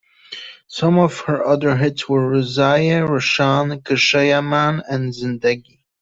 Some of her other hits were "Rouzaye Roshan", "Ghesseyeh Man", "Zendegi".